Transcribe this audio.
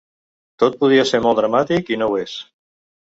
Tot podia ser molt dramàtic i no ho és.